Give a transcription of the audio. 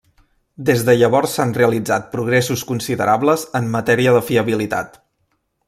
Des de llavors s'han realitzat progressos considerables en matèria de fiabilitat.